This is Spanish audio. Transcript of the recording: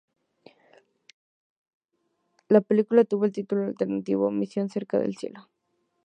La película tuvo el título alternativo de "Misión cerca del cielo".